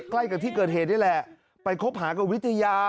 ใกล้กับที่เกิดเหตุนี่แหละไปคบหากับวิทยา